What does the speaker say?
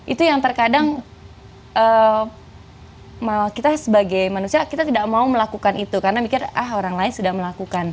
itu yang terkadang kita sebagai manusia kita tidak mau melakukan itu karena mikir ah orang lain sudah melakukan